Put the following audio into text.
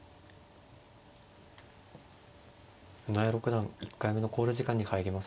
船江六段１回目の考慮時間に入りました。